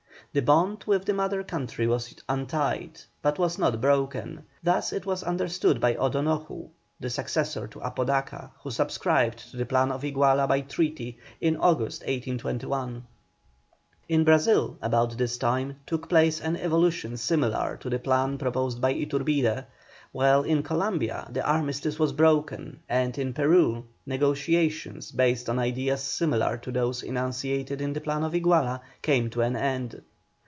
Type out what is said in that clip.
The bond with the mother country was untied but was not broken. Thus was it understood by O'Donoju, the successor to Apodaca, who subscribed to the "Plan of Iguala" by treaty, in August, 1821. In Brazil, about this time, took place an evolution similar to the plan proposed by Iturbide, while in Columbia the armistice was broken, and in Peru negotiations, based on ideas similar to those enunciated in the "Plan of Iguala," came to an end.